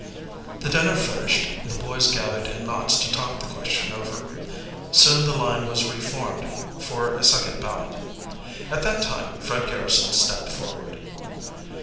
The dinner finished, the boys gathered in knots to talk the question over. Soon the line was re formed for a second ballot. At that moment Fred Garrison stepped forward.